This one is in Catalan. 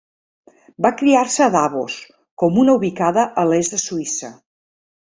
Va criar-se a Davos, comuna ubicada a l'est de Suïssa.